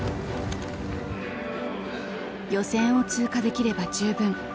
予選を通過できれば十分。